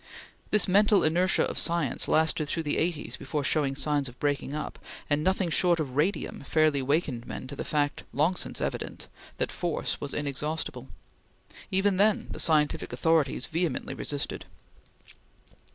This mental inertia of science lasted through the eighties before showing signs of breaking up; and nothing short of radium fairly wakened men to the fact, long since evident, that force was inexhaustible. Even then the scientific authorities vehemently resisted.